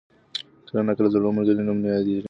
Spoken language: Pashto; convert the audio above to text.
کله ناکله زوړ ملګری نوم نه یادېږي.